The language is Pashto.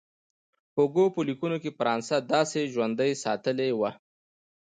هوګو په لیکونو کې فرانسه داسې ژوندۍ ساتلې وه.